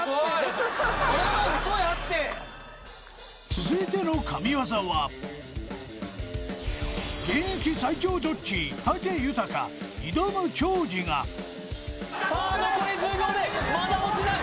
続いての神業は現役最強ジョッキー武豊挑む競技がさあ残り１０秒でまだ落ちない